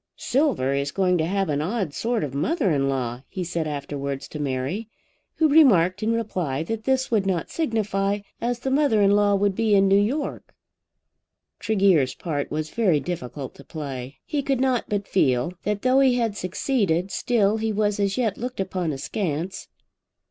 "Silver is going to have an odd sort of a mother in law," he said afterwards to Mary, who remarked in reply that this would not signify, as the mother in law would be in New York. Tregear's part was very difficult to play. He could not but feel that though he had succeeded, still he was as yet looked upon askance.